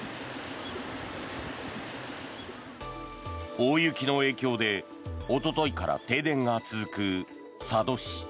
大雪の影響でおとといから停電が続く佐渡市。